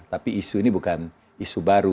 tapi isu ini bukan isu baru